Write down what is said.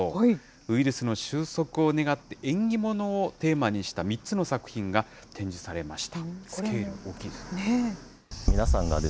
ウイルスの終息を願って、縁起物をテーマにした３つの作品が展示されました。